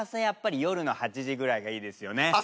やっぱり夜の８時ぐらいがいいですよね。